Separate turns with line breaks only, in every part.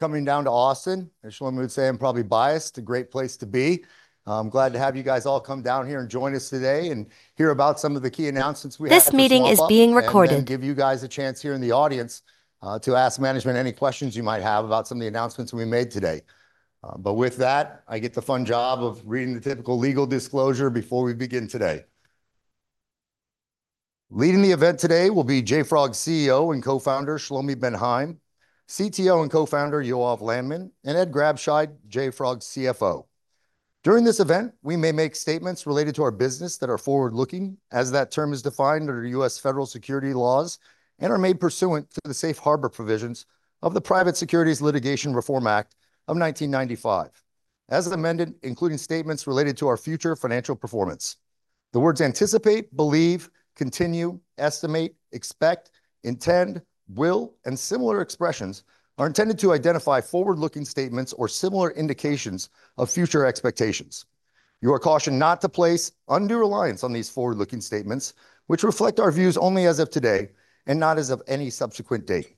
Coming down to Austin, and Shlomi would say I'm probably biased, a great place to be. I'm glad to have you guys all come down here and join us today, and hear about some of the key announcements we had at SwampUp.
This meeting is being recorded.
And then give you guys a chance here in the audience to ask management any questions you might have about some of the announcements we made today. But with that, I get the fun job of reading the typical legal disclosure before we begin today. Leading the event today will be JFrog's CEO and co-founder, Shlomi Ben Haim, CTO and co-founder, Yoav Landman, and Ed Grabscheid, JFrog's CFO. During this event, we may make statements related to our business that are forward-looking, as that term is defined under U.S. federal securities laws, and are made pursuant to the safe harbor provisions of the Private Securities Litigation Reform Act of 1995, as amended, including statements related to our future financial performance. The words 'anticipate, believe, continue, estimate, expect, intend, will,' and similar expressions are intended to identify forward-looking statements or similar indications of future expectations. You are cautioned not to place undue reliance on these forward-looking statements, which reflect our views only as of today and not as of any subsequent date.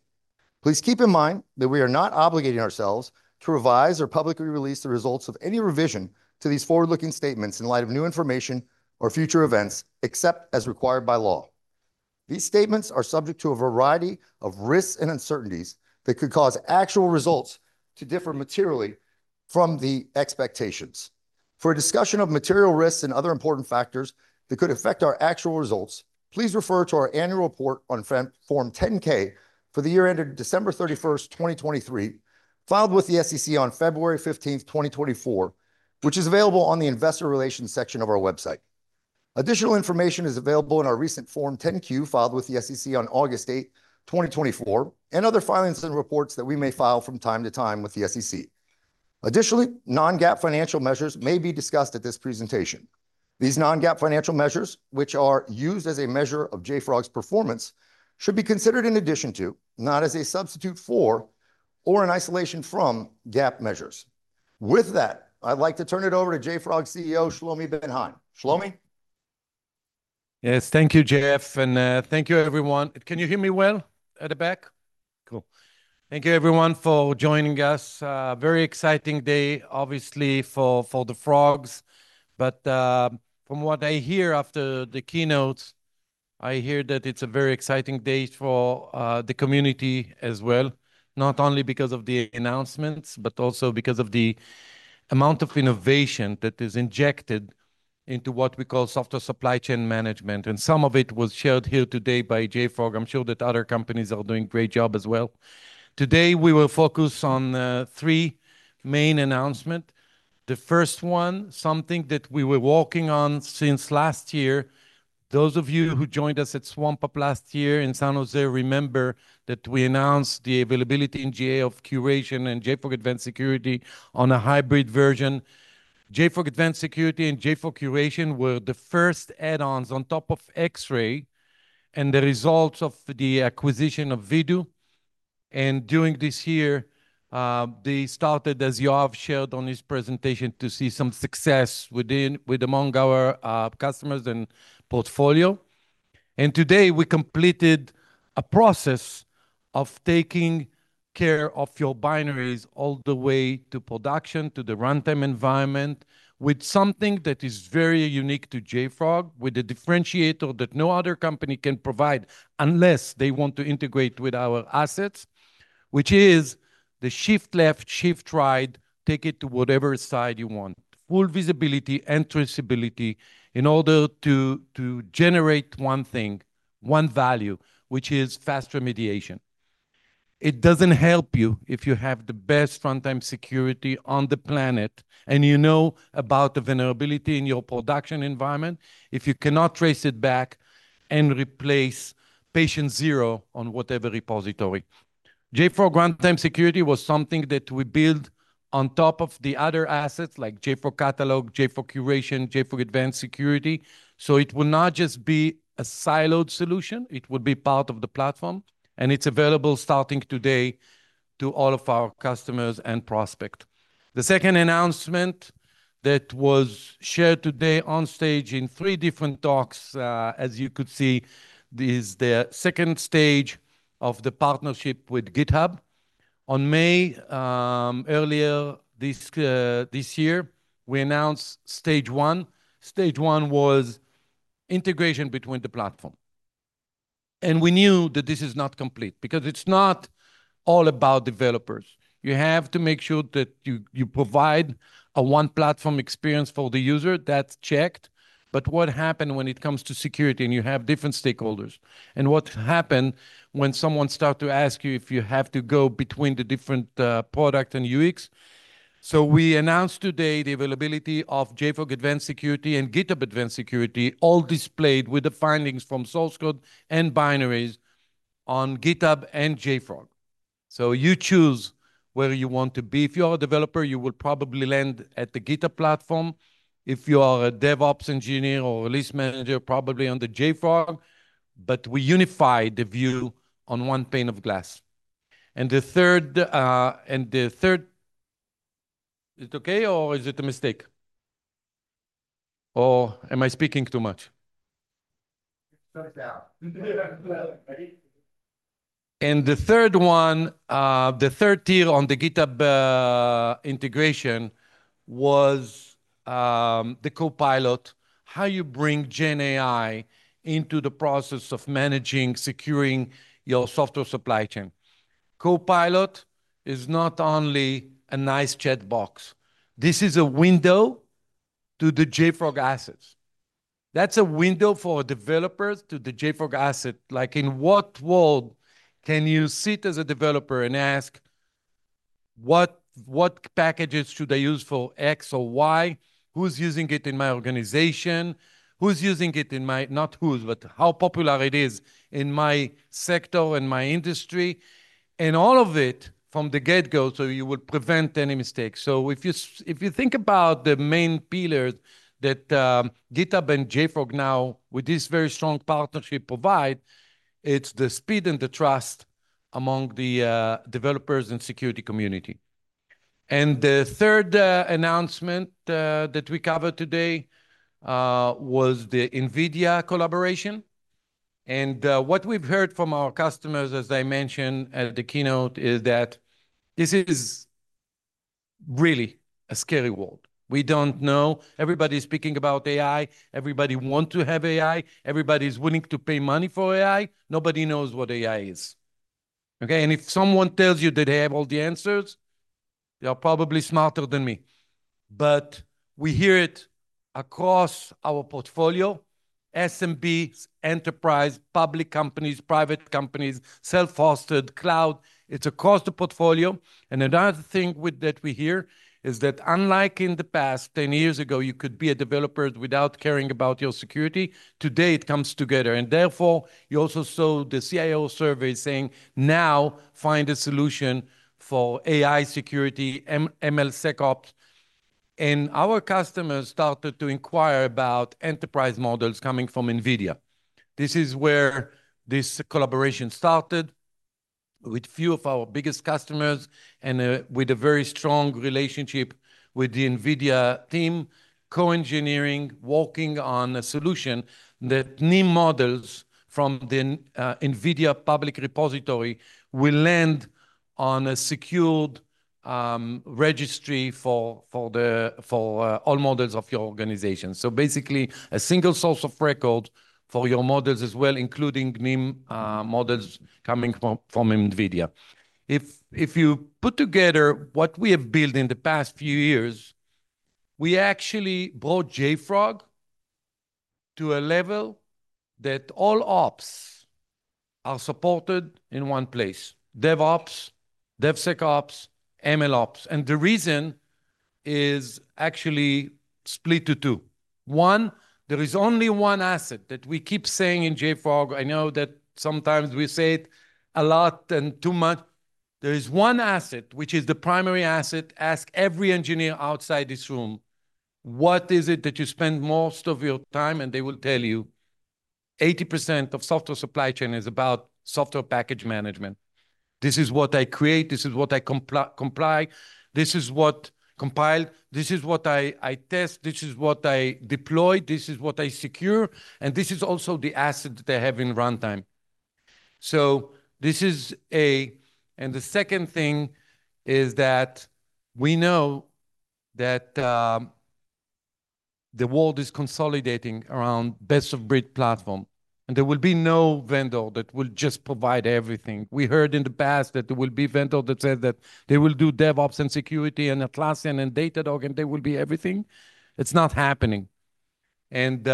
Please keep in mind that we are not obligating ourselves to revise or publicly release the results of any revision to these forward-looking statements in light of new information or future events, except as required by law. These statements are subject to a variety of risks and uncertainties that could cause actual results to differ materially from the expectations. For a discussion of material risks and other important factors that could affect our actual results, please refer to our annual report on Form 10-K for the year ended December 31st, 2023, filed with the SEC on February 15th, 2024, which is available on the investor relations section of our website. Additional information is available in our recent Form 10-Q, filed with the SEC on August 8, 2024, and other filings and reports that we may file from time to time with the SEC. Additionally, non-GAAP financial measures may be discussed at this presentation. These non-GAAP financial measures, which are used as a measure of JFrog's performance, should be considered in addition to, not as a substitute for or in isolation from GAAP measures. With that, I'd like to turn it over to JFrog CEO, Shlomi Ben Haim. Shlomi?
Yes, thank you, Jeff, and thank you, everyone. Can you hear me well at the back? Cool. Thank you everyone for joining us. A very exciting day, obviously, for the Frogs, but from what I hear after the keynotes, I hear that it's a very exciting day for the community as well, not only because of the announcements, but also because of the amount of innovation that is injected into what we call software supply chain management, and some of it was shared here today by JFrog. I'm sure that other companies are doing a great job as well. Today, we will focus on three main announcement. The first one, something that we were working on since last year. Those of you who joined us at SwampUP last year in San Jose remember that we announced the availability in GA of Curation and JFrog Advanced Security on a hybrid version. JFrog Advanced Security and JFrog Curation were the first add-ons on top of Xray, and the results of the acquisition of Vdoo. And during this year, they started, as Yoav shared on his presentation, to see some success within with among our customers and portfolio. And today, we completed a process of taking care of your binaries all the way to production, to the runtime environment, with something that is very unique to JFrog, with a differentiator that no other company can provide unless they want to integrate with our assets, which is the shift left, shift right, take it to whatever side you want. Full visibility and traceability in order to generate one thing, one value, which is fast remediation. It doesn't help you if you have the best runtime security on the planet, and you know about the vulnerability in your production environment, if you cannot trace it back and replace patient zero on whatever repository. JFrog Runtime Security was something that we built on top of the other assets, like JFrog Catalog, JFrog Curation, JFrog Advanced Security, so it will not just be a siloed solution, it would be part of the platform, and it's available starting today to all of our customers and prospect. The second announcement that was shared today on stage in three different talks, as you could see, is the second stage of the partnership with GitHub. On May earlier this year, we announced stage one. Stage one was integration between the platform, and we knew that this is not complete, because it's not all about developers. You have to make sure that you provide a one-platform experience for the user. That's checked. But what happen when it comes to security and you have different stakeholders? And what happen when someone start to ask you if you have to go between the different product and UX? So we announced today the availability of JFrog Advanced Security and GitHub Advanced Security, all displayed with the findings from source code and binaries on GitHub and JFrog. So you choose where you want to be. If you are a developer, you will probably land at the GitHub platform. If you are a DevOps engineer or a release manager, probably on the JFrog, but we unify the view on one pane of glass. And the third. Is it okay or is it a mistake? Or am I speaking too much?
Shut it down. And the third one, the third tier on the GitHub integration was the Co-pilot, how you bring GenAI into the process of managing, securing your software supply chain. Co-pilot is not only a nice chat box, this is a window to the JFrog assets. That's a window for developers to the JFrog asset. Like, in what world can you sit as a developer and ask, "What packages should I use for X or Y? Who's using it in my organization? Who's using it in. Not who's, but how popular it is in my sector and my industry, and all of it from the get-go, so you would prevent any mistakes. So if you think about the main pillars that GitHub and JFrog now, with this very strong partnership, provide, it's the speed and the trust among the developers and security community. And the third announcement that we covered today was the NVIDIA collaboration. And what we've heard from our customers, as I mentioned at the keynote, is that this is really a scary world. We don't know. Everybody's speaking about AI, everybody want to have AI, everybody's willing to pay money for AI. Nobody knows what AI is, okay? And if someone tells you that they have all the answers, they are probably smarter than me. But we hear it across our portfolio, SMB, enterprise, public companies, private companies, self-hosted, cloud. It's across the portfolio. And another thing with... that we hear is that unlike in the past ten years ago, you could be a developer without caring about your security, today it comes together, and therefore, you also saw the CIO survey saying, "Now find a solution for AI security, MLSecOps." Our customers started to inquire about enterprise models coming from NVIDIA. This is where this collaboration started with few of our biggest customers and with a very strong relationship with the NVIDIA team, co-engineering, working on a solution that NIM models from the NVIDIA public repository will land on a secured registry for all models of your organization. So basically, a single source of record for your models as well, including NIM models coming from NVIDIA. If you put together what we have built in the past few years, we actually brought JFrog to a level that all ops are supported in one place: DevOps, DevSecOps, MLOps. And the reason is actually split to two. One, there is only one asset that we keep saying in JFrog. I know that sometimes we say it a lot and too much. There is one asset which is the primary asset. Ask every engineer outside this room, "What is it that you spend most of your time?" And they will tell you, "80% of software supply chain is about software package management. This is what I create, this is what I comply, this is what compile, this is what I test, this is what I deploy, this is what I secure, and this is also the asset they have in runtime." So this is a... And the second thing is that we know that the world is consolidating around best-of-breed platform, and there will be no vendor that will just provide everything. We heard in the past that there will be vendor that said that they will do DevOps and security and Atlassian and Datadog, and they will be everything. It's not happening. And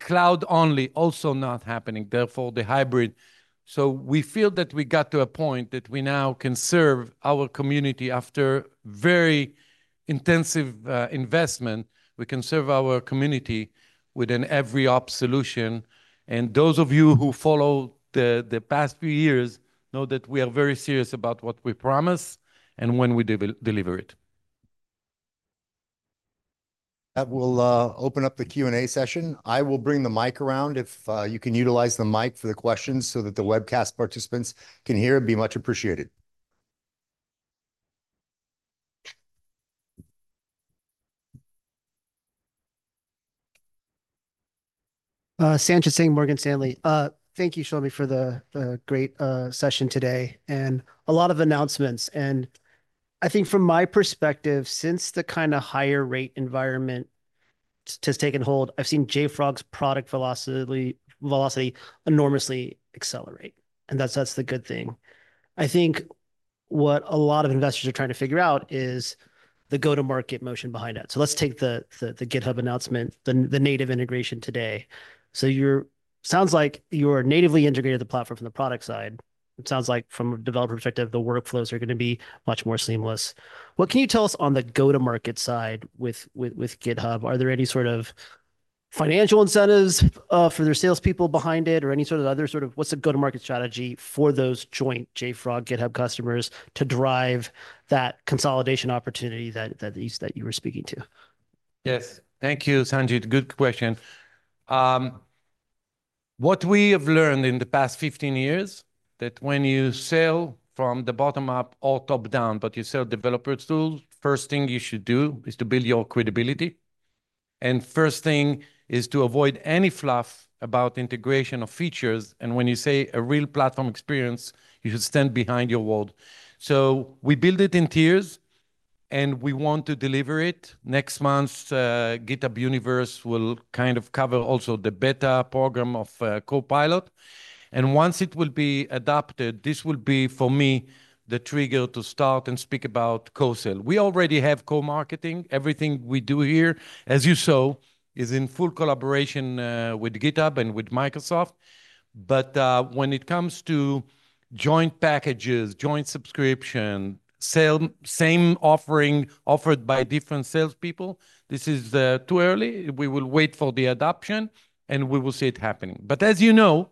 cloud-only, also not happening, therefore, the hybrid. So we feel that we got to a point that we now can serve our community after very intensive investment, we can serve our community within every op solution. And those of you who follow the past few years know that we are very serious about what we promise and when we deliver it. That will open up the Q&A session. I will bring the mic around. If you can utilize the mic for the questions so that the webcast participants can hear, it'd be much appreciated.
Sanjit Singh, Morgan Stanley. Thank you, Shlomi, for the great session today, and a lot of announcements. And I think from my perspective, since the kinda higher rate environment has taken hold, I've seen JFrog's product velocity enormously accelerate, and that's the good thing. I think what a lot of investors are trying to figure out is the go-to-market motion behind it. So let's take the GitHub announcement, the native integration today. So you're sounds like you're natively integrated the platform from the product side. It sounds like from a developer perspective, the workflows are gonna be much more seamless. What can you tell us on the go-to-market side with GitHub? Are there any sort of financial incentives for their salespeople behind it, or any sort of other sort of? What's the go-to-market strategy for those joint JFrog-GitHub customers to drive that consolidation opportunity that you were speaking to?
Yes. Thank you, Sanjit. Good question. What we have learned in the past fifteen years, that when you sell from the bottom up or top down, but you sell developer tools, first thing you should do is to build your credibility, and first thing is to avoid any fluff about integration of features. And when you say a real platform experience, you should stand behind your word. So we build it in tiers, and we want to deliver it. Next month's GitHub Universe will kind of cover also the beta program of Co-pilot. And once it will be adopted, this will be, for me, the trigger to start and speak about co-sell. We already have co-marketing. Everything we do here, as you saw, is in full collaboration with GitHub and with Microsoft. But, when it comes to joint packages, joint subscription, sale, same offering offered by different salespeople, this is too early. We will wait for the adoption, and we will see it happening. But as you know,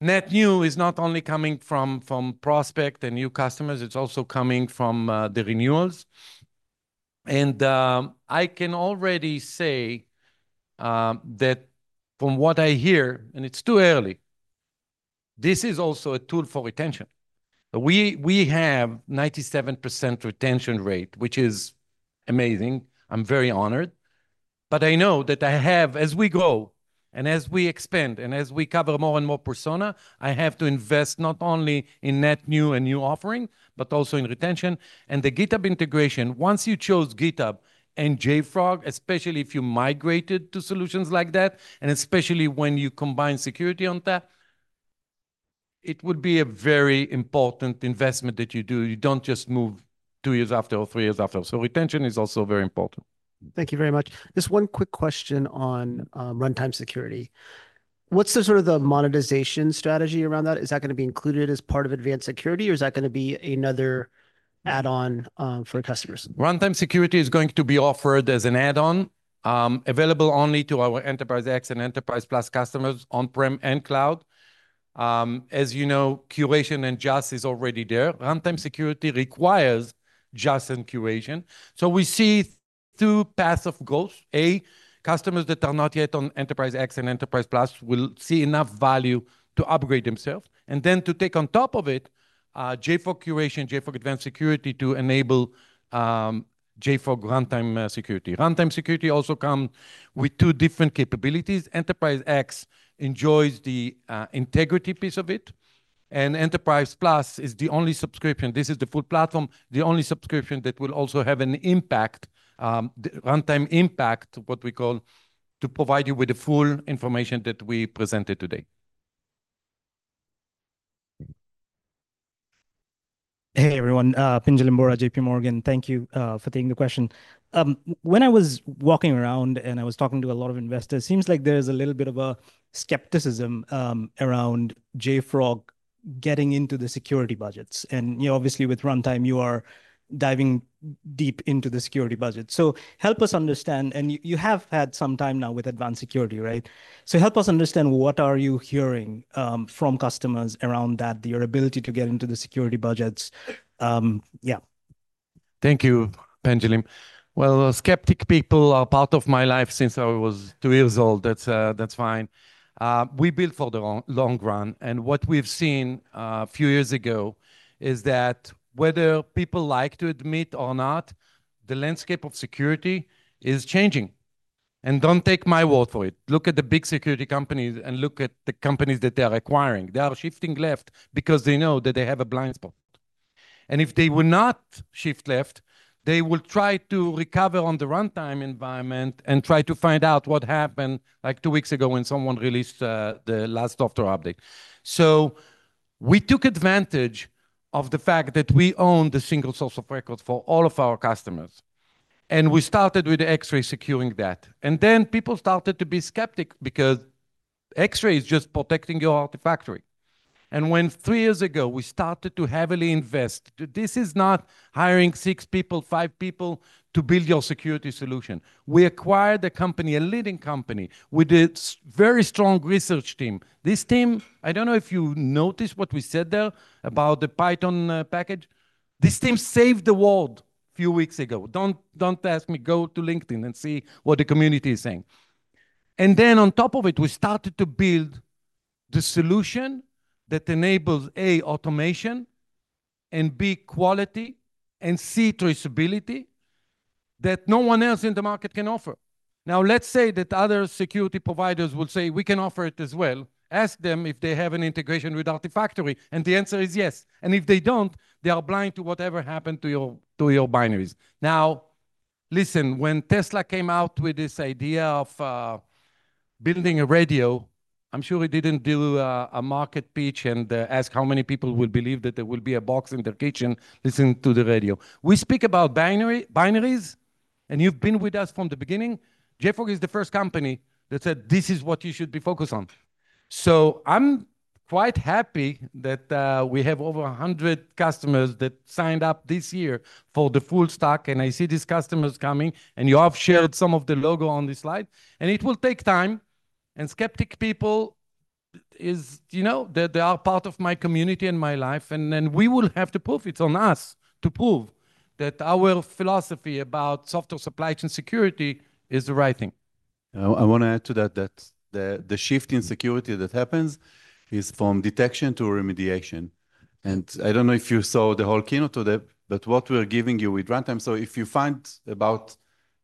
net new is not only coming from prospect and new customers, it's also coming from the renewals. And I can already say that from what I hear, and it's too early, this is also a tool for retention. We have 97% retention rate, which is amazing. I'm very honored, but I know that I have as we grow and as we expand and as we cover more and more persona, I have to invest not only in net new and new offering, but also in retention. The GitHub integration, once you chose GitHub and JFrog, especially if you migrated to solutions like that, and especially when you combine security on that, it would be a very important investment that you do. You don't just move two years after or three years after. Retention is also very important.
Thank you very much. Just one quick question on runtime security. What's the sort of the monetization strategy around that? Is that gonna be included as part of advanced security, or is that gonna be another add-on for customers?
Runtime Security is going to be offered as an add-on, available only to our Enterprise X and Enterprise Plus customers, on-prem and cloud. As you know, curation and JAS is already there. Runtime Security requires JAS and curation so we see two paths of goals. A, customers that are not yet on Enterprise X and Enterprise Plus will see enough value to upgrade themselves, and then to take on top of it, JFrog Curation, JFrog Advanced Security to enable, JFrog Runtime Security. Runtime Security also come with two different capabilities. Enterprise X enjoys the integrity piece of it, and Enterprise Plus is the only subscription, this is the full platform, the only subscription that will also have an impact, the runtime impact, what we call, to provide you with the full information that we presented today.
Hey, everyone, Pinjalim Bora, J.P. Morgan. Thank you for taking the question. When I was walking around and I was talking to a lot of investors, seems like there is a little bit of a skepticism around JFrog getting into the security budgets. And, you know, obviously, with runtime, you are diving deep into the security budget. So help us understand, and you have had some time now with advanced security, right? So help us understand, what are you hearing from customers around that, your ability to get into the security budgets? Yeah.
Thank you, Pinjalim Bora. Skeptic people are part of my life since I was two years old. That's, that's fine. We build for the long, long run, and what we've seen, a few years ago is that whether people like to admit or not, the landscape of security is changing. And don't take my word for it. Look at the big security companies and look at the companies that they are acquiring. They are shifting left because they know that they have a blind spot. And if they will not shift left, they will try to recover on the runtime environment and try to find out what happened, like two weeks ago, when someone released, the last software update. So we took advantage of the fact that we own the single source of records for all of our customers, and we started with Xray securing that. And then people started to be skeptical because Xray is just protecting your Artifactory. And when three years ago, we started to heavily invest. This is not hiring six people, five people, to build your security solution. We acquired a company, a leading company, with a very strong research team. This team, I don't know if you noticed what we said there about the Python package. This team saved the world a few weeks ago. Don't, don't ask me. Go to LinkedIn and see what the community is saying. And then on top of it, we started to build the solution that enables A, automation, and B, quality, and C, traceability, that no one else in the market can offer. Now, let's say that other security providers will say, "We can offer it as well." Ask them if they have an integration with Artifactory, and the answer is yes. And if they don't, they are blind to whatever happened to your, to your binaries. Now, listen, when Tesla came out with this idea of building a radio, I'm sure they didn't do a market pitch and ask how many people would believe that there will be a box in their kitchen listening to the radio. We speak about binaries, and you've been with us from the beginning. JFrog is the first company that said, "This is what you should be focused on." So I'm quite happy that we have over a hundred customers that signed up this year for the full stack, and I see these customers coming, and you have shared some of the logo on this slide. And it will take time, and skeptic people is, you know, they are part of my community and my life, and then we will have to prove it's on us to prove that our philosophy about software supply chain security is the right thing.
I wanna add to that, that the shift in security that happens is from detection to remediation. I don't know if you saw the whole keynote today, but what we're giving you with runtime, so if you find out about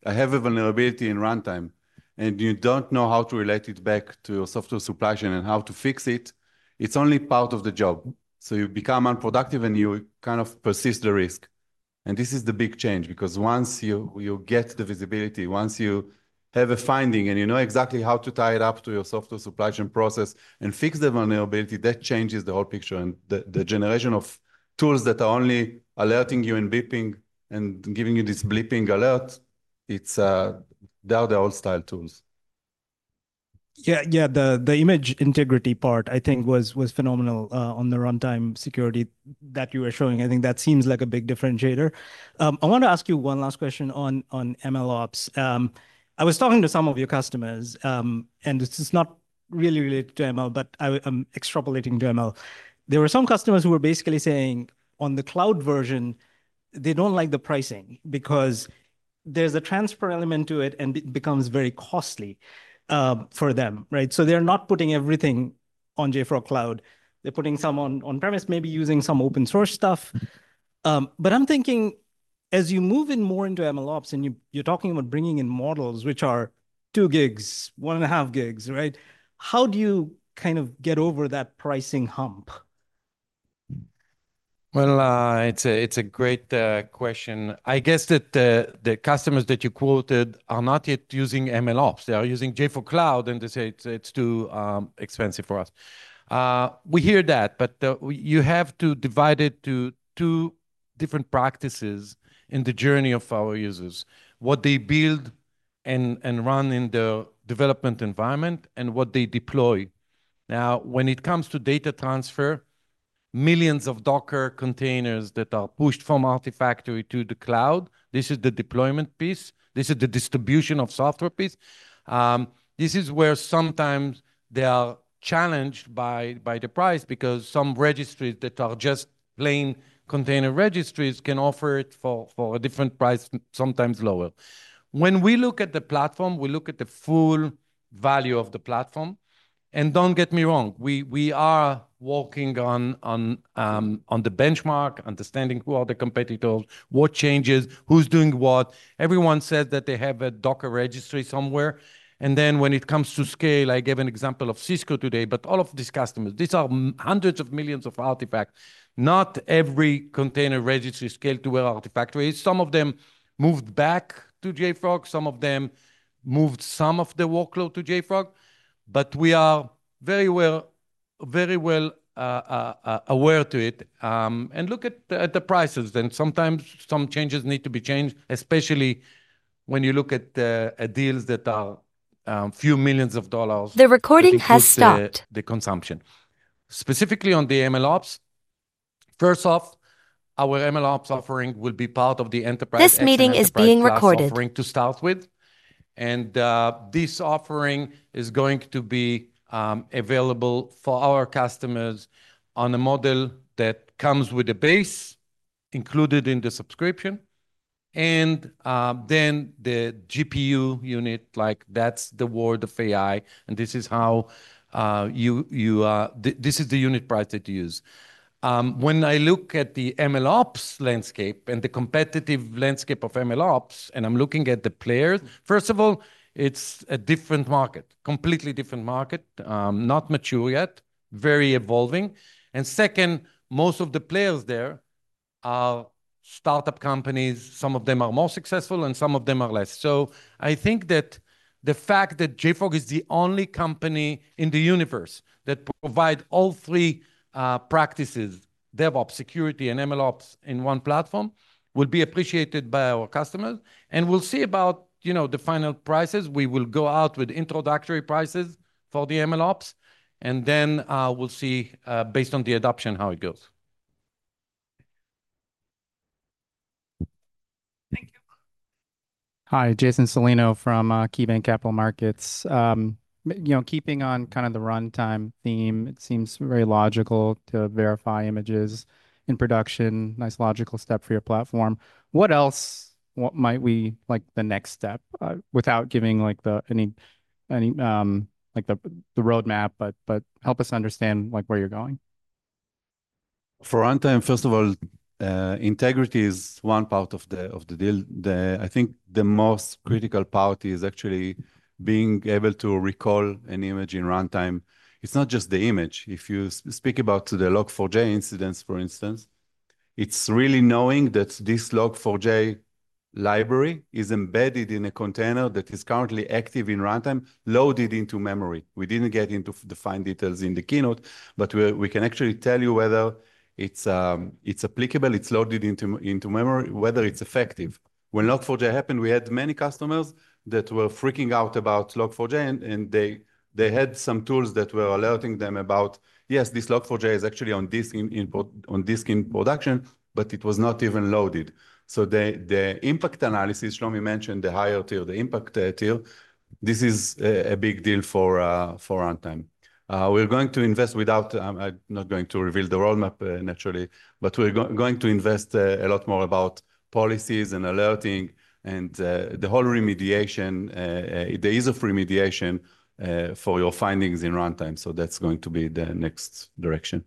a heavy vulnerability in runtime, and you don't know how to relate it back to your software supply chain and how to fix it, it's only part of the job, so you become unproductive, and you kind of persist the risk, and this is the big change, because once you get the visibility, once you have a finding, and you know exactly how to tie it back to your software supply chain process and fix the vulnerability, that changes the whole picture. The generation of tools that are only alerting you and bleeping and giving you this bleeping alert. They are the old style tools.
Yeah, yeah, the image integrity part, I think, was phenomenal on the runtime security that you were showing. I think that seems like a big differentiator. I want to ask you one last question on MLOps. I was talking to some of your customers, and this is not really related to ML, but I extrapolating to ML. There were some customers who were basically saying, on the cloud version, they don't like the pricing because there's a transfer element to it, and it becomes very costly for them, right? So they're not putting everything on JFrog Cloud. They're putting some on on-premise, maybe using some open source stuff. But I'm thinking as you move in more into MLOps and you're talking about bringing in models, which are two gigs, one and a half gigs, right? How do you kind of get over that pricing hump?
It's a great question. I guess that the customers that you quoted are not yet using MLOps. They are using JFrog Cloud, and they say it's too expensive for us. We hear that, but we have to divide it to two different practices in the journey of our users: what they build and run in the development environment and what they deploy. Now, when it comes to data transfer, millions of Docker containers that are pushed from Artifactory to the cloud, this is the deployment piece. This is the distribution of software piece. This is where sometimes they are challenged by the price because some registries that are just plain container registries can offer it for a different price, sometimes lower. When we look at the platform, we look at the full value of the platform. And don't get me wrong, we are working on the benchmark, understanding who are the competitors, what changes, who's doing what. Everyone says that they have a Docker registry somewhere, and then when it comes to scale, I gave an example of Cisco today, but all of these customers, these are hundreds of millions of artifacts. Not every container registry scale to our Artifactory. Some of them moved back to JFrog, some of them moved some of the workload to JFrog, but we are very well aware of it. And look at the prices, then sometimes some changes need to be changed, especially when you look at deals that are few million dollars.
The recording has stopped.
The consumption. Specifically on the MLOps, first off, our MLOps offering will be part of the enterprise. Offering to start with, and this offering is going to be available for our customers on a model that comes with a base included in the subscription, and then the GPU unit, like that's the world of AI, and this is how this is the unit price that you use. When I look at the MLOps landscape and the competitive landscape of MLOps, and I'm looking at the players, first of all, it's a different market, completely different market. Not mature yet, very evolving, and second, most of the players there are startup companies. Some of them are more successful, and some of them are less. So I think that the fact that JFrog is the only company in the universe that provide all three, practices, DevOps, security, and MLOps, in one platform, will be appreciated by our customers, and we'll see about, you know, the final prices. We will go out with introductory prices for the MLOps, and then, we'll see, based on the adoption, how it goes.
Thank you.
Hi, Jason Celino from KeyBanc Capital Markets. You know, keeping on kind of the runtime theme, it seems very logical to verify images in production. Nice logical step for your platform. What else, what might we like the next step, without giving like the roadmap, but help us understand, like, where you're going?
For runtime, first of all, integrity is one part of the deal. I think the most critical part is actually being able to recall an image in runtime. It's not just the image. If you speak about the Log4j incidents, for instance, it's really knowing that this Log4j library is embedded in a container that is currently active in runtime, loaded into memory. We didn't get into the fine details in the keynote, but we can actually tell you whether it's applicable, it's loaded into memory, whether it's effective. When Log4j happened, we had many customers that were freaking out about Log4j, and they had some tools that were alerting them about, "Yes, this Log4j is actually on this in production," but it was not even loaded. So the impact analysis Shlomi mentioned, the higher tier, the impact, this is a big deal for runtime. We're going to invest without not going to reveal the roadmap, naturally, but we're going to invest a lot more about policies and alerting and the whole remediation, the ease of remediation, for your findings in runtime. So that's going to be the next direction.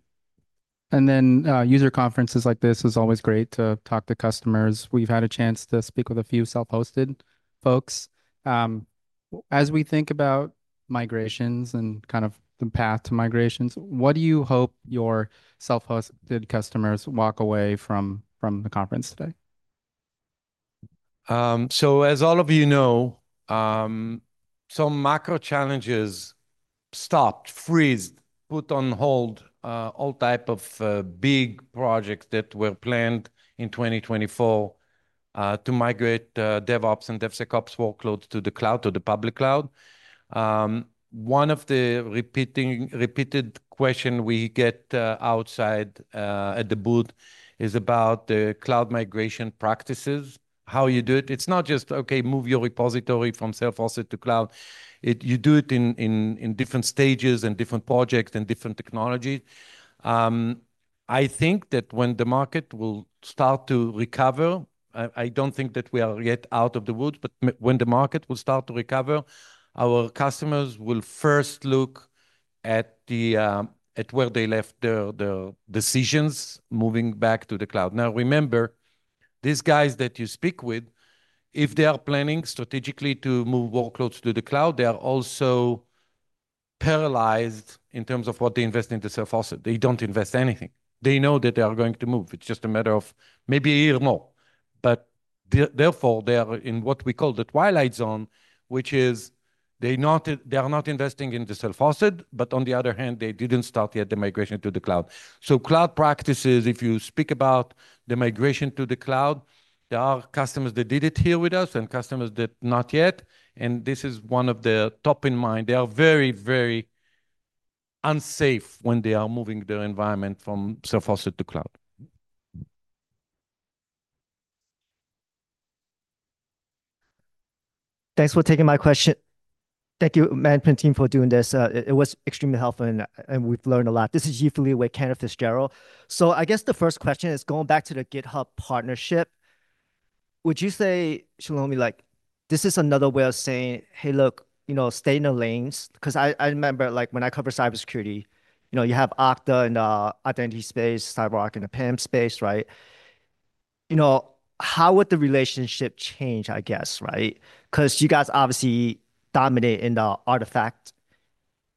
And then, user conferences like this is always great to talk to customers. We've had a chance to speak with a few self-hosted folks. As we think about migrations and kind of the path to migrations, what do you hope your self-hosted customers walk away from the conference today?
So as all of you know, some macro challenges stopped, froze, put on hold all type of big projects that were planned in 2024 to migrate DevOps and DevSecOps workloads to the cloud, to the public cloud. One of the repeating, repeated question we get outside at the booth is about the cloud migration practices, how you do it. It's not just, okay, move your repository from self-hosted to cloud. You do it in different stages and different projects and different technology. I think that when the market will start to recover, I don't think that we are yet out of the woods, but when the market will start to recover, our customers will first look at where they left the decisions moving back to the cloud. Now, remember, these guys that you speak with, if they are planning strategically to move workloads to the cloud, they are also paralyzed in terms of what they invest in the self-hosted. They don't invest anything. They know that they are going to move. It's just a matter of maybe a year more. But therefore, they are in what we call the twilight zone, which is they are not investing in the self-hosted, but on the other hand, they didn't start yet the migration to the cloud. So cloud practices, if you speak about the migration to the cloud, there are customers that did it here with us and customers that not yet, and this is one of the top of mind. They are very, very unsafe when they are moving their environment from self-hosted to cloud.
Thanks for taking my question. Thank you, management team, for doing this. It was extremely helpful, and we've learned a lot. This is Yi Fu Lee with Cantor Fitzgerald. So I guess the first question is going back to the GitHub partnership. Would you say, Shlomi, like, this is another way of saying, "Hey, look, you know, stay in the lanes?" 'Cause I remember, like, when I covered cybersecurity, you know, you have Okta in the identity space, CyberArk in the PAM space, right? You know, how would the relationship change, I guess, right? 'Cause you guys obviously dominate in the artifact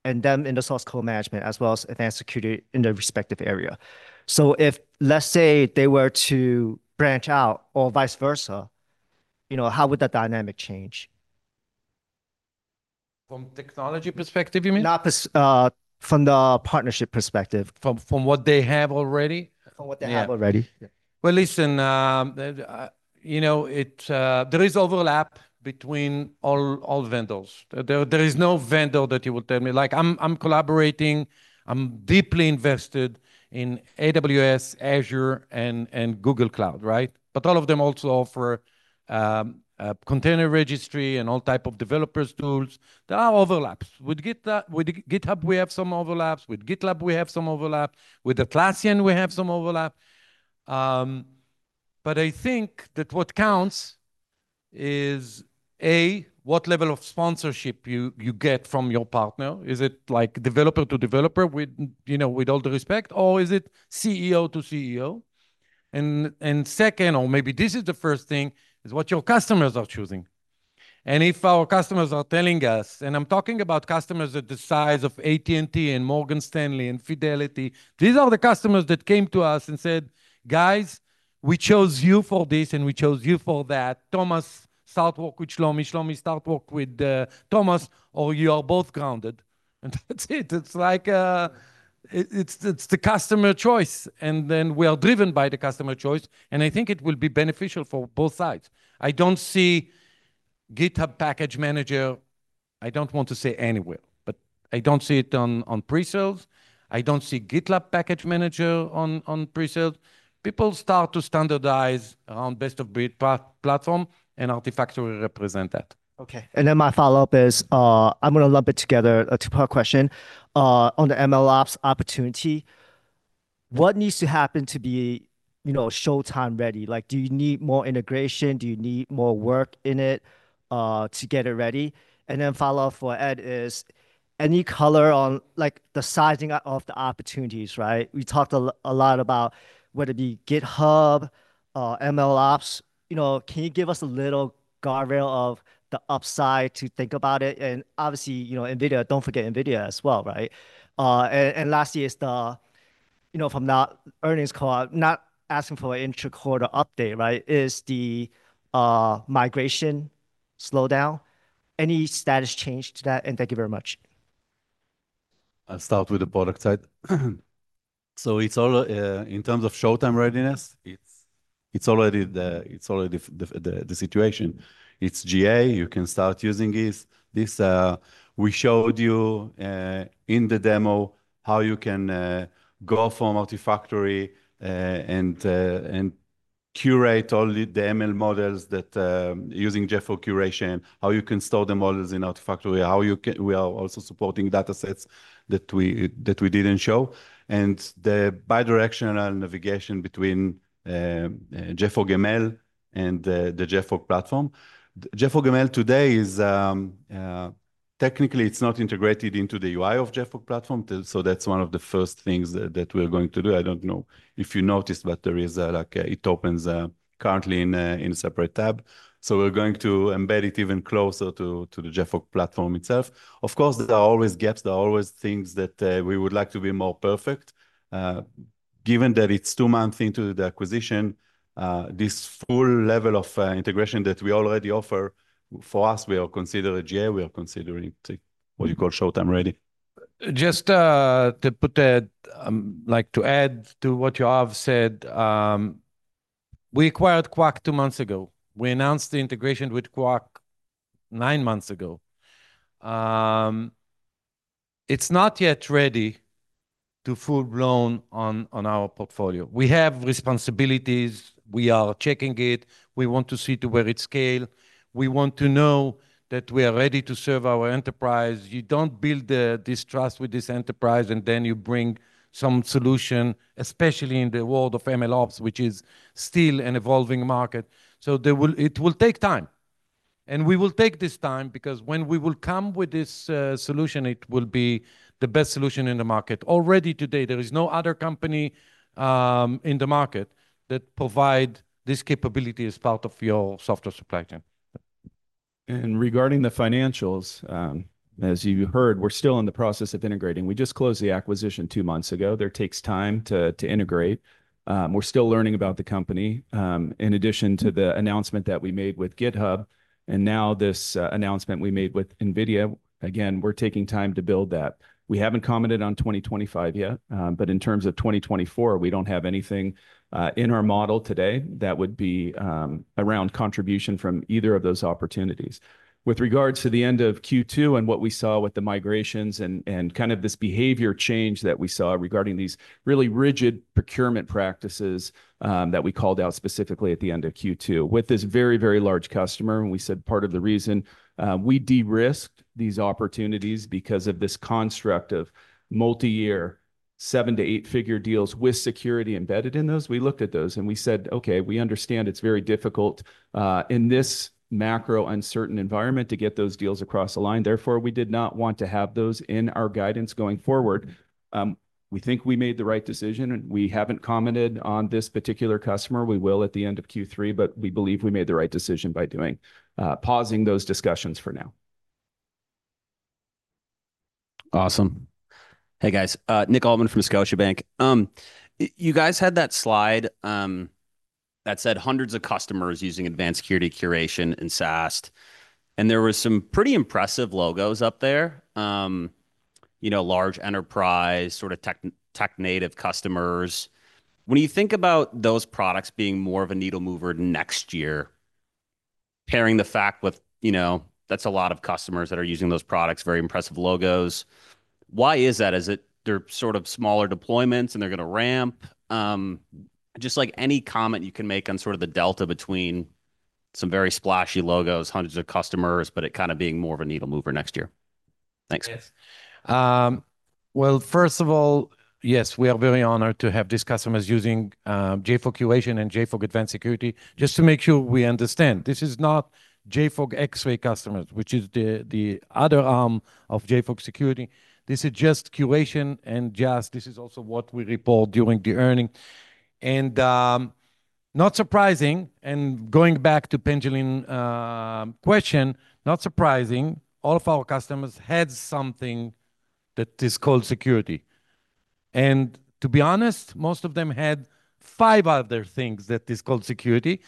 and them in the source code management, as well as advanced security in their respective area. So if, let's say, they were to branch out or vice versa, you know, how would that dynamic change?
From technology perspective, you mean?
Not personal, from the partnership perspective.
From what they have already?
From what they have already.
Yeah. Well, listen, you know, there is overlap between all vendors. There is no vendor that you would tell me, like, I'm collaborating, I'm deeply invested in AWS, Azure, and Google Cloud, right? But all of them also offer container registry and all type of developers tools. There are overlaps. With GitHub, we have some overlaps, with GitLab, we have some overlap, with Atlassian, we have some overlap. But I think that what counts is, A, what level of sponsorship you get from your partner? Is it like developer to developer with, you know, with all due respect, or is it CEO to CEO? And second, or maybe this is the first thing, is what your customers are choosing. If our customers are telling us, and I'm talking about customers at the size of AT&T and Morgan Stanley and Fidelity, these are the customers that came to us and said, "Guys, we chose you for this, and we chose you for that. Thomas, start work with Shlomi. Shlomi, start work with Thomas, or you are both grounded." And that's it. It's like, it's the customer choice, and then we are driven by the customer choice, and I think it will be beneficial for both sides. I don't see GitHub Package Manager, I don't want to say anywhere, but I don't see it on pre-sales. I don't see GitLab Package Manager on pre-sales. People start to standardize around best of breed platform, and Artifactory will represent that.
Okay, and then my follow-up is, I'm gonna lump it together, a two-part question. On the MLOps opportunity, what needs to happen to be, you know, showtime ready? Like, do you need more integration? Do you need more work in it, to get it ready? And then follow-up for Ed is, any color on, like, the sizing of the opportunities, right? We talked a lot about whether it be GitHub, MLOps, you know, can you give us a little guardrail of the upside to think about it? And obviously, you know, NVIDIA, don't forget NVIDIA as well, right? And lastly, is the, you know, from the earnings call, not asking for an interquarter update, right? Is the migration slow down? Any status change to that? And thank you very much.
I'll start with the product side. So it's all in terms of showtime readiness, it's already the situation. It's GA, you can start using this. This, we showed you in the demo how you can go from Artifactory, and and curate all the ML models that using JFrog Curation, how you can store the models in Artifactory, how you can-- we are also supporting datasets that we didn't show. And the bidirectional navigation between JFrog ML and the JFrog platform. JFrog ML today is technically it's not integrated into the UI of JFrog platform, till-- so that's one of the first things that we are going to do. I don't know if you noticed, but there is a, like, it opens currently in a separate tab. So we're going to embed it even closer to the JFrog platform itself. Of course, there are always gaps. There are always things that we would like to be more perfect. Given that it's two months into the acquisition, this full level of integration that we already offer, for us, we are considered a GA. We are considering to what you call showtime ready.
Just, to put a, like to add to what Yoav said, we acquired Qwak two months ago. We announced the integration with Qwak nine months ago. It's not yet ready to full-blown on, on our portfolio. We have responsibilities. We are checking it. We want to see to where it scale. We want to know that we are ready to serve our enterprise. You don't build the, this trust with this enterprise, and then you bring some solution, especially in the world of MLOps, which is still an evolving market. So there will. It will take time, and we will take this time because when we will come with this, solution, it will be the best solution in the market. Already today, there is no other company, in the market that provide this capability as part of your software supply chain.
Regarding the financials, as you heard, we're still in the process of integrating. We just closed the acquisition two months ago. There takes time to integrate. We're still learning about the company. In addition to the announcement that we made with GitHub, and now this announcement we made with NVIDIA, again, we're taking time to build that. We haven't commented on 2025 yet, but in terms of 2024, we don't have anything in our model today that would be around contribution from either of those opportunities. With regards to the end of Q2 and what we saw with the migrations and kind of this behavior change that we saw regarding these really rigid procurement practices, that we called out specifically at the end of Q2. With this very, very large customer, and we said part of the reason, we de-risked these opportunities because of this construct of multi-year, seven to eight-figure deals with security embedded in those. We looked at those, and we said, "Okay, we understand it's very difficult, in this macro uncertain environment to get those deals across the line," therefore, we did not want to have those in our guidance going forward. We think we made the right decision, and we haven't commented on this particular customer. We will at the end of Q3, but we believe we made the right decision by doing, pausing those discussions for now.
Awesome. Hey, guys, Nick Altman from Scotiabank. You guys had that slide that said hundreds of customers using advanced security curation and SAST, and there were some pretty impressive logos up there, you know, large enterprise, sort of tech, tech-native customers. When you think about those products being more of a needle mover next year, pairing the fact with, you know, that's a lot of customers that are using those products, very impressive logos. Why is that? Is it they're sort of smaller deployments, and they're gonna ramp? Just like any comment you can make on sort of the delta between some very splashy logos, hundreds of customers, but it kind of being more of a needle mover next year. Thanks.
Yes. Well, first of all, yes, we are very honored to have these customers using JFrog Curation and JFrog Advanced Security. Just to make sure we understand, this is not JFrog Xray customers, which is the other arm of JFrog Security. This is just Curation and this is also what we report during the earnings. Not surprising, and going back to Pinjalim's question, not surprising, all of our customers had something that is called security. To be honest, most of them had five other things that is called security,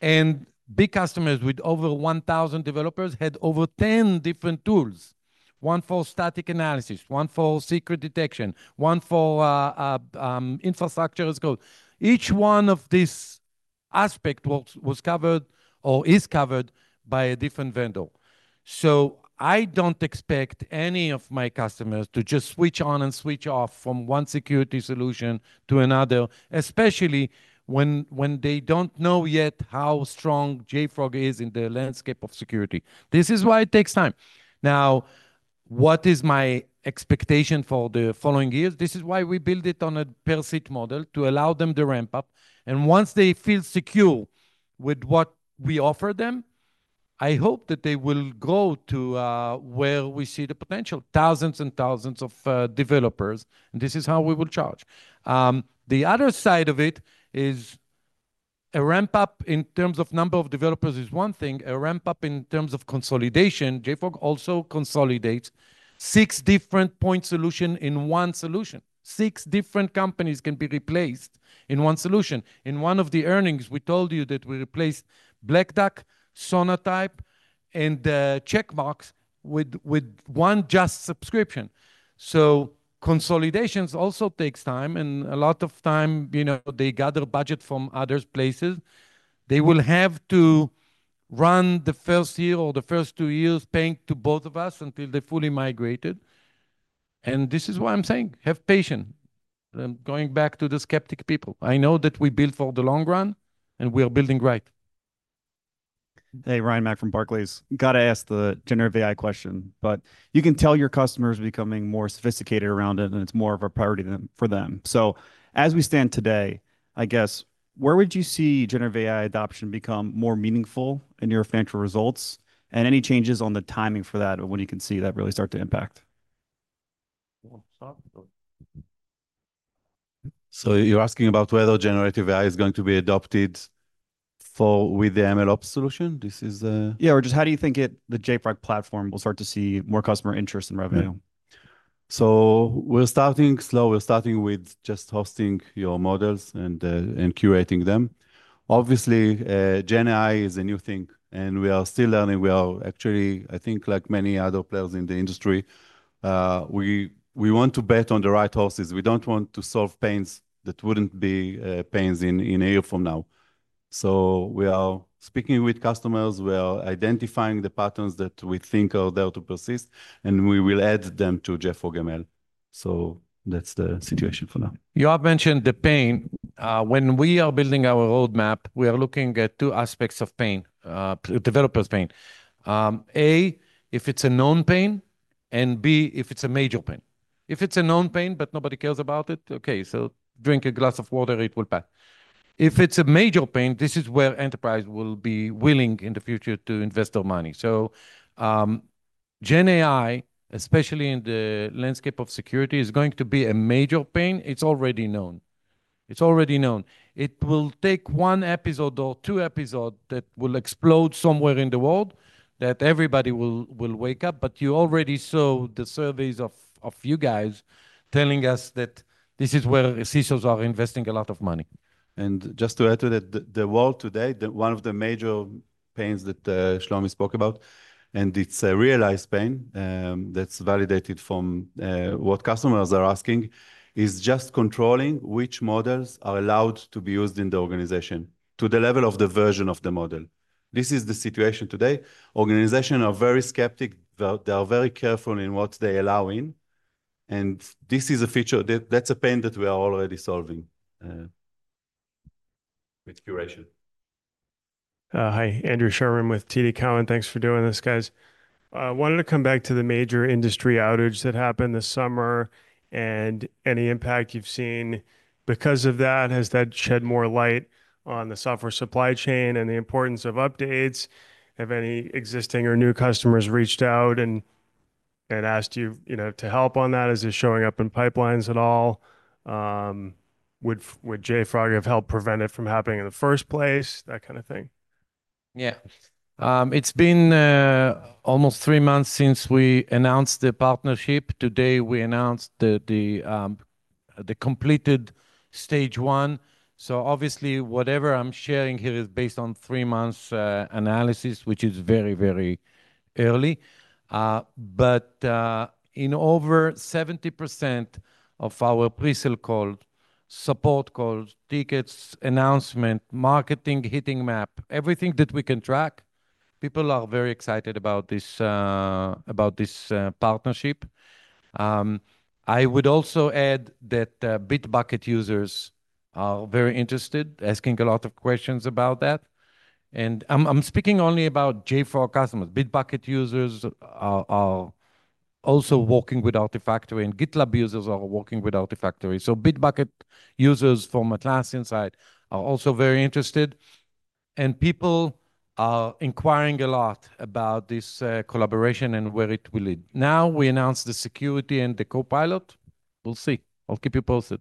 and big customers with over one thousand developers had over ten different tools: one for static analysis, one for secret detection, one for infrastructure as code. Each one of these aspects was covered or is covered by a different vendor. So I don't expect any of my customers to just switch on and switch off from one security solution to another, especially when they don't know yet how strong JFrog is in the landscape of security. This is why it takes time. Now, what is my expectation for the following years? This is why we build it on a per-seat model, to allow them to ramp up, and once they feel secure with what we offer them, I hope that they will go to where we see the potential, thousands and thousands of developers, and this is how we will charge. The other side of it is a ramp-up in terms of number of developers is one thing. A ramp-up in terms of consolidation, JFrog also consolidates six different point solution in one solution. Six different companies can be replaced in one solution. In one of the earnings, we told you that we replaced Black Duck, Sonatype, and Checkmarx with one just subscription. So consolidations also takes time, and a lot of time, you know, they gather budget from other places. They will have to run the first year or the first two years paying to both of us until they fully migrated, and this is why I'm saying, have patience. I'm going back to the skeptic people. I know that we build for the long run, and we are building right.
Hey, Ryan MacWilliams from Barclays. Gotta ask the generative AI question, but you can tell your customer is becoming more sophisticated around it, and it's more of a priority them, for them. So as we stand today, I guess, where would you see generative AI adoption become more meaningful in your financial results? And any changes on the timing for that, or when you can see that really start to impact? Start though.
So you're asking about whether generative AI is going to be adopted for, with the MLOps solution? This is the-
Yeah. Or just how do you think it, the JFrog platform, will start to see more customer interest and revenue?
Yeah. So we're starting slow. We're starting with just hosting your models and curating them. Obviously, GenAI is a new thing, and we are still learning. We are actually, I think, like many other players in the industry, we want to bet on the right horses. We don't want to solve pains that wouldn't be pains in a year from now. So we are speaking with customers, we are identifying the patterns that we think are there to persist, and we will add them to JFrog ML. So that's the situation for now.
You have mentioned the pain. When we are building our roadmap, we are looking at two aspects of pain, developer's pain. A, if it's a known pain, and B, if it's a major pain. If it's a known pain, but nobody cares about it, okay, so drink a glass of water, it will pass. If it's a major pain, this is where enterprise will be willing in the future to invest their money. So, GenAI, especially in the landscape of security, is going to be a major pain. It's already known. It's already known. It will take one episode or two episode that will explode somewhere in the world, that everybody will wake up, but you already saw the surveys of you guys telling us that this is where CISOs are investing a lot of money.
Just to add to that, the world today, one of the major pains that Shlomi spoke about, and it's a realized pain that's validated from what customers are asking, is just controlling which models are allowed to be used in the organization to the level of the version of the model. This is the situation today. Organizations are very skeptical. They are very careful in what they allow in, and this is a feature that's a pain that we are already solving with curation.
Hi, Andrew Sherman with TD Cowen. Thanks for doing this, guys. I wanted to come back to the major industry outage that happened this summer and any impact you've seen because of that. Has that shed more light on the software supply chain and the importance of updates? Have any existing or new customers reached out and asked you, you know, to help on that? Is it showing up in pipelines at all? Would JFrog have helped prevent it from happening in the first place, that kind of thing?
Yeah. It's been almost three months since we announced the partnership. Today, we announced the completed stage one. So obviously, whatever I'm sharing here is based on three months analysis, which is very, very early. But in over 70% of our pre-sale call, support calls, tickets, announcement, marketing, hitting map, everything that we can track, people are very excited about this partnership. I would also add that Bitbucket users are very interested, asking a lot of questions about that. And I'm speaking only about JFrog customers. Bitbucket users are also working with Artifactory, and GitLab users are working with Artifactory. So Bitbucket users from Atlassian side are also very interested, and people are inquiring a lot about this collaboration and where it will lead. Now, we announce the security and the Co-pilot. We'll see. I'll keep you posted.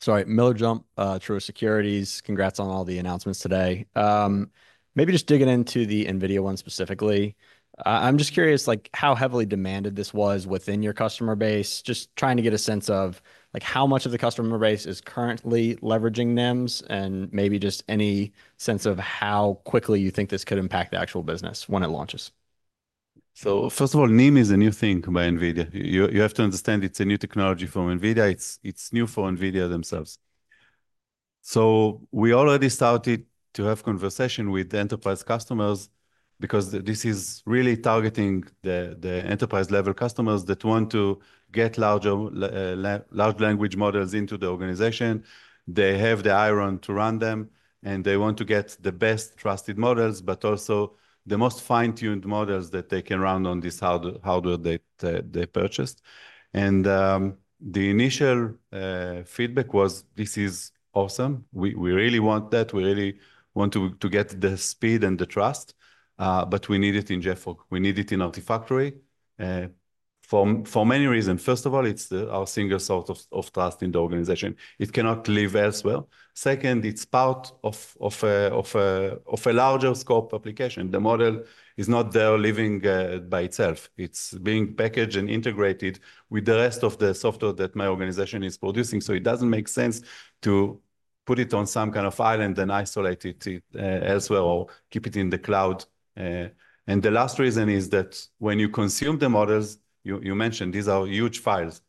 Sorry, Miller Jump, Truist Securities. Congrats on all the announcements today. Maybe just digging into the NVIDIA one specifically. I'm just curious, like, how heavily demanded this was within your customer base. Just trying to get a sense of, like, how much of the customer base is currently leveraging NIMs, and maybe just any sense of how quickly you think this could impact the actual business when it launches.
So first of all, NIM is a new thing by NVIDIA. You have to understand it's a new technology from NVIDIA. It's new for NVIDIA themselves. So we already started to have conversation with the enterprise customers because this is really targeting the enterprise-level customers that want to get large language models into the organization. They have the iron to run them, and they want to get the best trusted models, but also the most fine-tuned models that they can run on this hardware that they purchased. And the initial feedback was, "This is awesome. We really want that. We really want to get the speed and the trust, but we need it in JFrog. We need it in Artifactory for many reasons. First of all, it's our single source of trust in the organization. It cannot live elsewhere. Second, it's part of a larger scope application. The model is not there living by itself. It's being packaged and integrated with the rest of the software that my organization is producing, so it doesn't make sense to put it on some kind of island and isolate it as well, or keep it in the cloud. And the last reason is that when you consume the models, you mentioned, these are huge files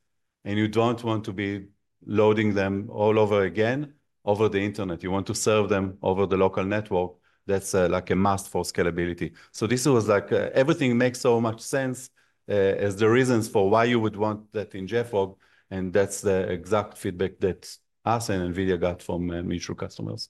and you don't want to be loading them all over again over the internet. You want to serve them over the local network. That's like a must for scalability. So this was like everything makes so much sense as the reasons for why you would want that in JFrog, and that's the exact feedback that us and NVIDIA got from mutual customers.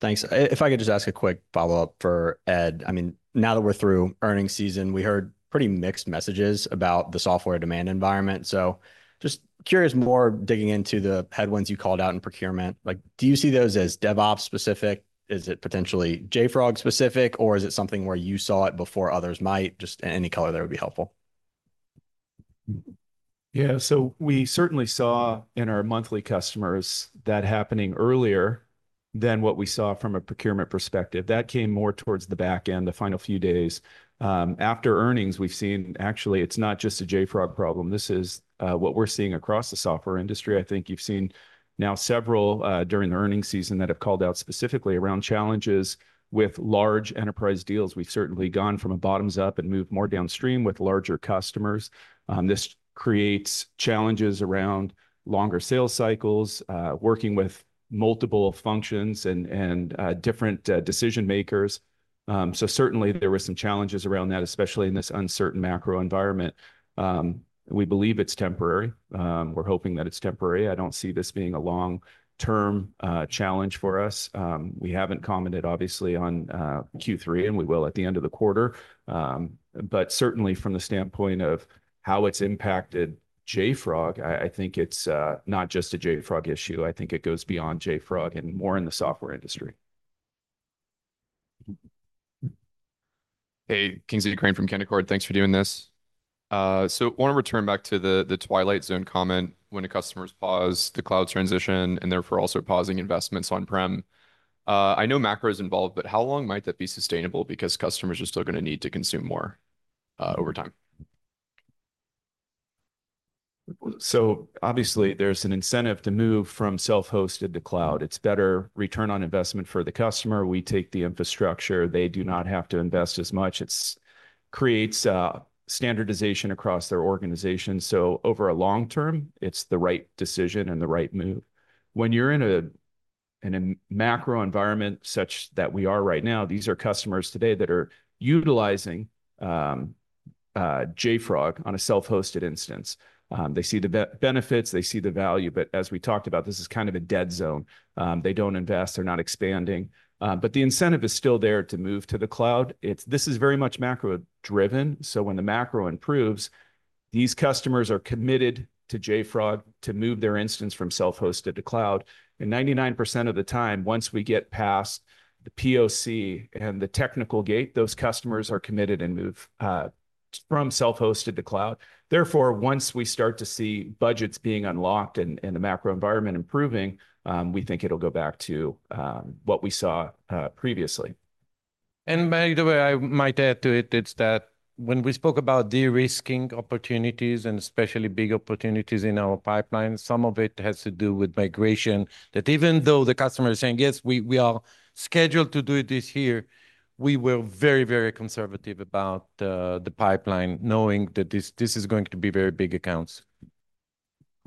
Thanks. If I could just ask a quick follow-up for Ed. I mean, now that we're through earnings season, we heard pretty mixed messages about the software demand environment. So just curious, more digging into the headwinds you called out in procurement, like, do you see those as DevOps specific? Is it potentially JFrog specific, or is it something where you saw it before others might? Just any color there would be helpful.
Yeah, so we certainly saw in our monthly customers that happening earlier than what we saw from a procurement perspective. That came more towards the back end, the final few days. After earnings, we've seen actually it's not just a JFrog problem. This is what we're seeing across the software industry. I think you've seen now several during the earnings season that have called out specifically around challenges with large enterprise deals. We've certainly gone from a bottoms-up and moved more downstream with larger customers. This creates challenges around longer sales cycles, working with multiple functions and different decision-makers. So certainly there were some challenges around that, especially in this uncertain macro environment. We believe it's temporary. We're hoping that it's temporary. I don't see this being a long-term challenge for us. We haven't commented, obviously, on Q3, and we will at the end of the quarter. But certainly from the standpoint of how it's impacted JFrog, I think it's not just a JFrog issue. I think it goes beyond JFrog and more in the software industry.
Hey, Kingsley Crane from Canaccord Genuity. Thanks for doing this. So I want to return back to the twilight zone comment when a customer's paused the cloud transition, and therefore also pausing investments on-prem. I know macro is involved, but how long might that be sustainable? Because customers are still gonna need to consume more over time.
So obviously, there's an incentive to move from self-hosted to cloud. It's better return on investment for the customer. We take the infrastructure. They do not have to invest as much. It creates standardization across their organization. So over a long term, it's the right decision and the right move. When you're in a macro environment such that we are right now, these are customers today that are utilizing JFrog on a self-hosted instance. They see the benefits, they see the value, but as we talked about, this is kind of a dead zone. They don't invest, they're not expanding, but the incentive is still there to move to the cloud. It's this is very much macro-driven, so when the macro improves, these customers are committed to JFrog to move their instance from self-hosted to cloud. And 99% of the time, once we get past the POC and the technical gate, those customers are committed and move from self-hosted to cloud. Therefore, once we start to see budgets being unlocked and the macro environment improving, we think it'll go back to what we saw previously.
By the way, I might add to it. It's that when we spoke about de-risking opportunities, and especially big opportunities in our pipeline, some of it has to do with migration. That even though the customer is saying, "Yes, we are scheduled to do this here," we were very, very conservative about the pipeline, knowing that this is going to be very big accounts.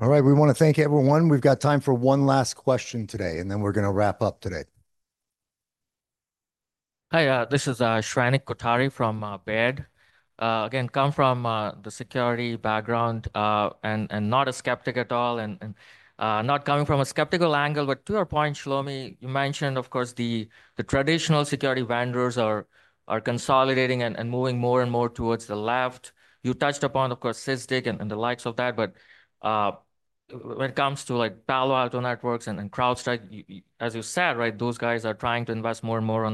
All right, we want to thank everyone. We've got time for one last question today, and then we're gonna wrap up today.
Hi, this is Shrenik Kothari from Baird. Again, come from the security background, and not a skeptic at all, and not coming from a skeptical angle. But to your point, Shlomi, you mentioned, of course, the traditional security vendors are consolidating and moving more and more towards the left. You touched upon, of course, Sysdig and the likes of that, but when it comes to, like, Palo Alto Networks and CrowdStrike, as you said, right, those guys are trying to invest more and more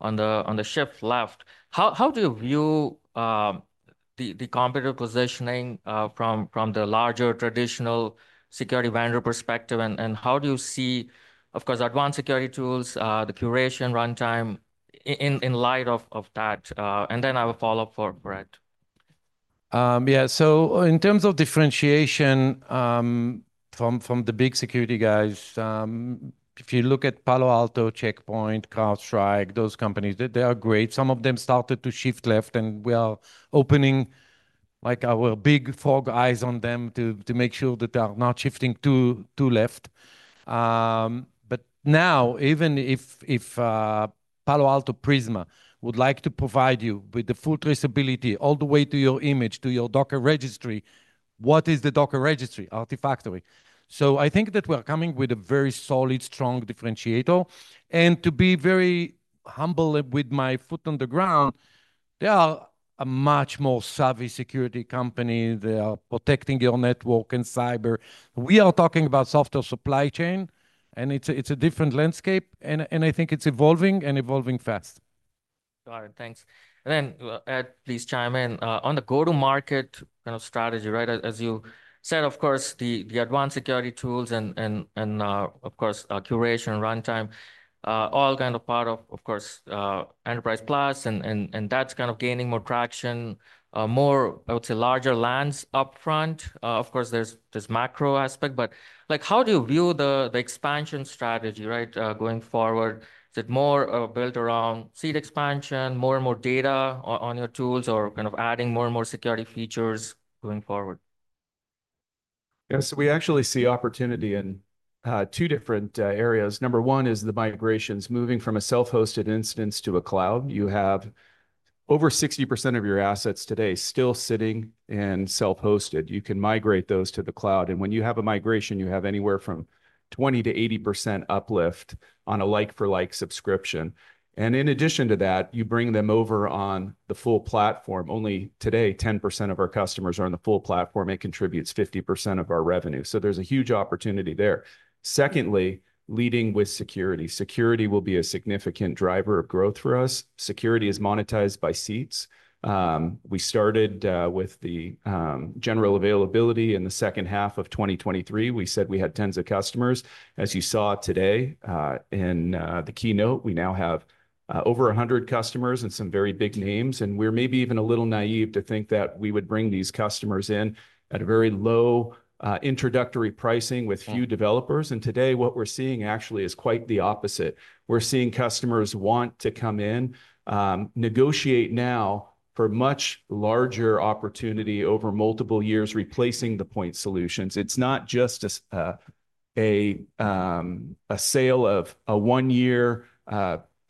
on the shift left. How do you view the competitive positioning from the larger traditional security vendor perspective? And how do you see, of course, advanced security tools, the Curation, Runtime in light of that? And then I will follow up for Ed.
Yeah, so in terms of differentiation, from the big security guys, if you look at Palo Alto, Check Point, CrowdStrike, those companies, they are great. Some of them started to shift left, and we are opening, like, our big frog eyes on them to make sure that they are not shifting too left. But now, even if Palo Alto Prisma would like to provide you with the full traceability all the way to your image, to your Docker registry, what is the Docker registry? Artifactory. So I think that we're coming with a very solid, strong differentiator. And to be very humble with my foot on the ground, they are a much more savvy security company. They are protecting your network and cyber. We are talking about software supply chain, and it's a, it's a different landscape, and, and I think it's evolving and evolving fast.
Got it. Thanks. And then, Ed, please chime in. On the go-to-market kind of strategy, right? As you said, of course, the advanced security tools and, of course, curation runtime, all kind of part of, of course, Enterprise Plus, and that's kind of gaining more traction, more, I would say, larger lands upfront. Of course, there's this macro aspect, but, like, how do you view the expansion strategy, right, going forward? Is it more built around seat expansion, more and more data on your tools, or kind of adding more and more security features going forward?
Yeah, so we actually see opportunity in two different areas. Number one is the migrations, moving from a self-hosted instance to a cloud. You have over 60% of your assets today still sitting in self-hosted. You can migrate those to the cloud, and when you have a migration, you have anywhere from 20%-80% uplift on a like-for-like subscription. And in addition to that, you bring them over on the full platform. Only today, 10% of our customers are on the full platform, and it contributes 50% of our revenue, so there's a huge opportunity there. Secondly, leading with security. Security will be a significant driver of growth for us. Security is monetized by seats. We started with the general availability in the second half of 2023. We said we had tens of customers. As you saw today, in the keynote, we now have over 100 customers and some very big names, and we're maybe even a little naive to think that we would bring these customers in at a very low, introductory pricing with few developers. And today, what we're seeing actually is quite the opposite. We're seeing customers want to come in, negotiate now for much larger opportunity over multiple years, replacing the point solutions. It's not just a sale of a one-year,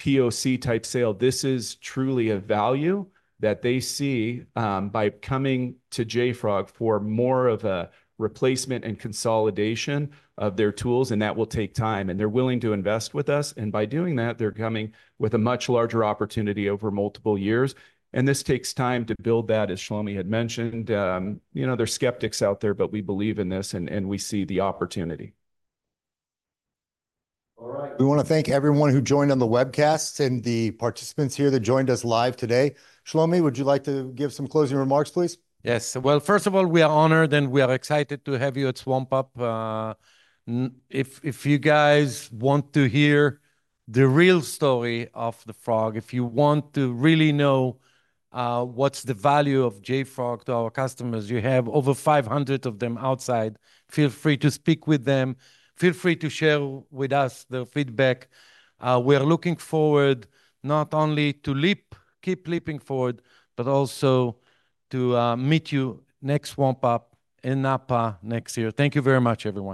POC-type sale. This is truly a value that they see, by coming to JFrog for more of a replacement and consolidation of their tools, and that will take time, and they're willing to invest with us. And by doing that, they're coming with a much larger opportunity over multiple years, and this takes time to build that, as Shlomi had mentioned. You know, there's skeptics out there, but we believe in this, and we see the opportunity.
All right, we wanna thank everyone who joined on the webcast and the participants here that joined us live today. Shlomi, would you like to give some closing remarks, please?
Yes. Well, first of all, we are honored, and we are excited to have you at SwampUP. If you guys want to hear the real story of the frog, if you want to really know what's the value of JFrog to our customers, you have over 500 of them outside. Feel free to speak with them. Feel free to share with us their feedback. We are looking forward not only to leap, keep leaping forward, but also to meet you next SwampUP in Napa next year. Thank you very much, everyone.